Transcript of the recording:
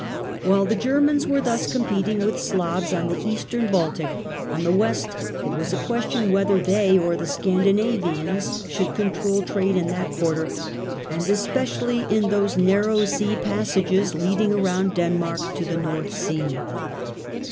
While the Germans were thus competing with Slavs on the Eastern Baltic, on the West it was a question whether they or the Scandinavians should control trade in that quarter, and especially in those narrow sea pas sages leading round Denmark to the North Sea.